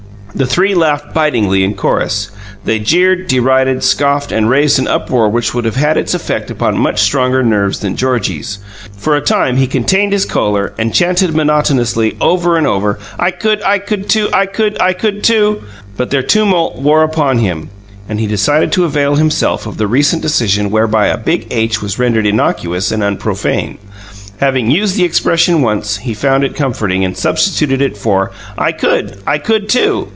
The three laughed bitingly in chorus. They jeered, derided, scoffed, and raised an uproar which would have had its effect upon much stronger nerves than Georgie's. For a time he contained his rising choler and chanted monotonously, over and over: "I COULD! I COULD, TOO! I COULD! I COULD, TOO!" But their tumult wore upon him, and he decided to avail himself of the recent decision whereby a big H was rendered innocuous and unprofane. Having used the expression once, he found it comforting, and substituted it for: "I could! I could, too!"